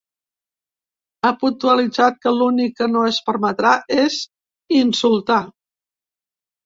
Ha puntualitzat que l’únic que no es permetrà és insultar.